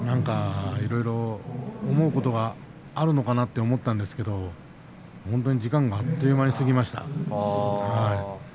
いろいろ思うことがあるのかなと思ったんですが本当に時間があっという間に過ぎました。